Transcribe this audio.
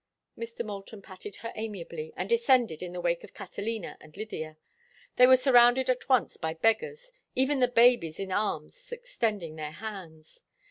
Mr. Moulton patted her amiably and descended in the wake of Catalina and Lydia. They were surrounded at once by beggars, even the babies in arms extending their hands.